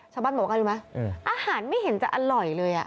ชาวบ้านบอกว่ารู้ไหมอาหารไม่เห็นจะอร่อยเลย